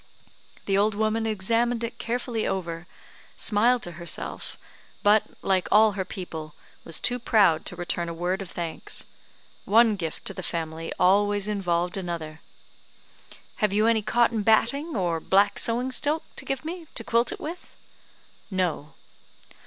The old woman examined it carefully over, smiled to herself, but, like all her people, was too proud to return a word of thanks. One gift to the family always involved another. "Have you any cotton batting, or black sewing silk, to give me, to quilt it with?" "No."